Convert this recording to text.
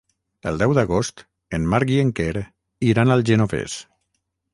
El deu d'agost en Marc i en Quer iran al Genovés.